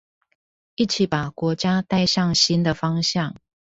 一起把國家帶向新的方向